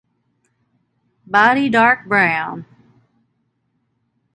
Body dark brown.